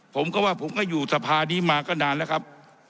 ผมก็ว่าผมก็อยู่สภานี้มาก็นานแล้วครับ